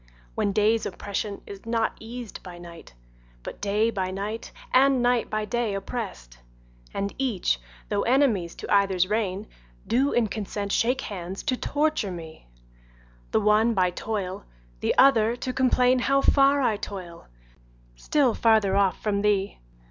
When day's oppression is not eas'd by night, But day by night and night by day oppress'd, And each, though enemies to either's reign, Do in consent shake hands to torture me, The one by toil, the other to complain How far I toil, still farther off from thee.